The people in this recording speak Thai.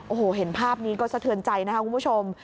โอ้โหเห็นภาพนี้ก็สะเทือนใจนะคะคุณผู้ชม